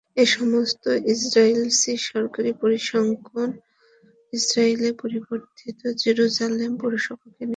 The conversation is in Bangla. এই সমস্ত ইসরায়েলি সরকারী পরিসংখ্যান ইসরায়েলের পরিবর্ধিত জেরুসালেম পৌরসভাকে নির্দেশ করে।